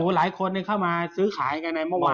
หลายคนเข้ามาซื้อขายกันในเมื่อวาน